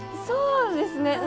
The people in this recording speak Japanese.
そうですね。